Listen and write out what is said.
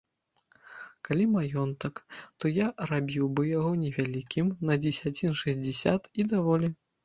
Калі маёнтак, то я рабіў бы яго невялікім, на дзесяцін шэсцьдзесят, і даволі.